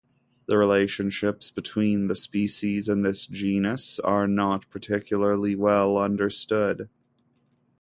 The relationships between the species in this genus are not particularly well understood.